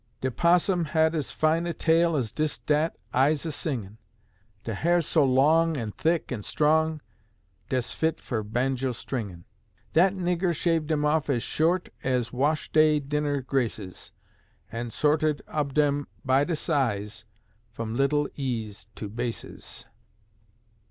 De 'possum had as fine a tail as dis dat I's a singin'; De ha'r's so long an' thick an' strong, des fit fur banjo stringin'; Dat nigger shaved 'em off as short as washday dinner graces; An' sorted ob' em by de size, f'om little E's to basses.